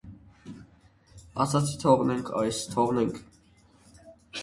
- Ասացի թողնենք այս, թողնենք: